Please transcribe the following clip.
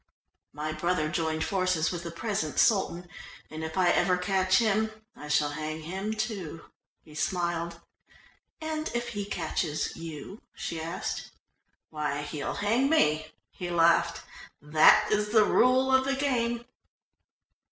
"My brother joined forces with the present Sultan, and if I ever catch him I shall hang him too," he smiled. "And if he catches you?" she asked. "Why, he'll hang me," he laughed. "That is the rule of the game."